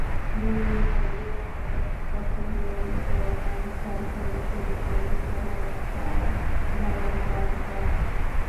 দুই ভাই বিমানবন্দরে কর্তব্যরত আনসার সদস্যদের বিষয়টি জানালে চার দালালকে আটক করা হয়।